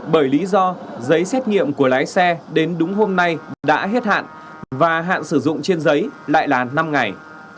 bởi lý do giấy xét nghiệm của lái xe đến đúng hôm nay đã hết hạn và hạn sử dụng trên giấy lại là năm ngày